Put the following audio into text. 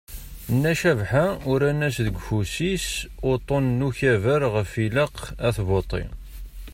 Nna Cabḥa uran-as deg ufus-is uṭṭun n ukabar ɣef ialq ad tbuṭṭi.